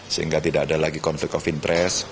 sehingga tidak ada lagi konflik covid sembilan belas pres